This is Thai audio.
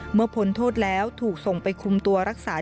พ้นโทษแล้วถูกส่งไปคุมตัวรักษา